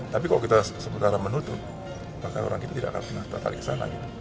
tapi kalau kita sementara menutup maka orang kita tidak akan pernah tertarik ke sana